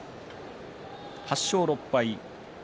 ８勝６敗。